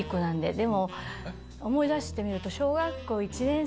でも思い出してみると。